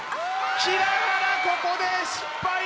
平原ここで失敗！